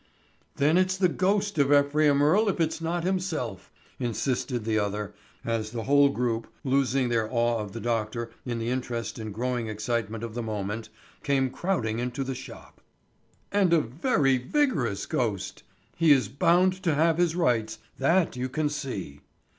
"Then it's the ghost of Ephraim Earle if it's not himself," insisted the other, as the whole group, losing their awe of the doctor in the interest and growing excitement of the moment, came crowding into the shop. "And a very vigorous ghost! He is bound to have his rights; that you can see."